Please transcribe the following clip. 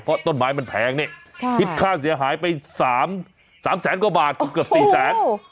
เพราะต้นไม้มันแพงนี่คิดค่าเสียหายไป๓แสนกว่าบาทคือเกือบ๔แสน